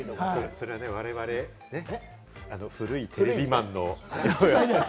それ我々ね、古いテレビマンの。